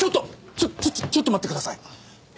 ちょちょちょっと待ってください。